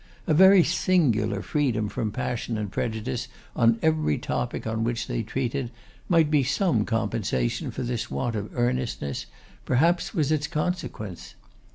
A very singular freedom from passion and prejudice on every topic on which they treated, might be some compensation for this want of earnestness, perhaps was its consequence.